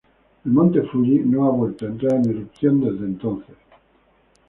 El monte Fuji no ha vuelto a entrar en erupción desde entonces.